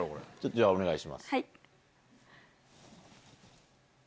じゃあお願いします。